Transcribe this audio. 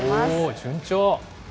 順調。